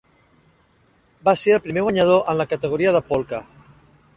Va ser el primer guanyador en la categoria de Polka.